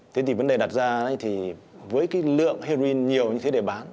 thế thì vấn đề đặt ra là với cái lượng heo đin nhiều như thế để bán